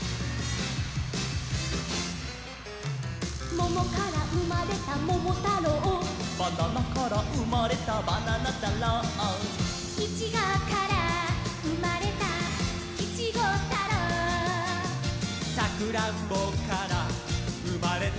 「ももからうまれたももたろう」「ばななからうまれたばななたろう」「いちごからうまれたいちごたろう」「さくらんぼからうまれた」